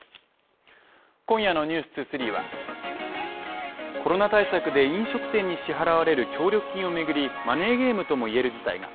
今夜の「ｎｅｗｓ２３」はコロナ対策で飲食店に支払われる協力金を巡りマネーゲームともいえる事態が。